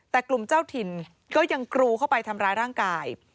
แต่กลุ่มเจ้าถิ่นก็ยังกรูเข้าไปทำร้ายร่างกาย